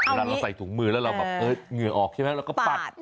เวลาเราใส่ถุงมือแล้วเราแบบเหงื่อออกใช่ไหมเราก็ปัด